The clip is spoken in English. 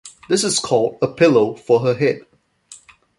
This is called "a pillow for her head".